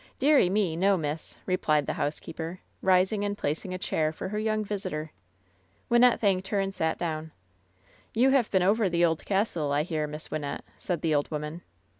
"Dearie me, no, miss," replied the housekeeper, rising and placing a chair for her young visitor. Wynnette thanked her and sat down. "You have been over the old castle, I hear, Miss Wyn nette," said the old woman.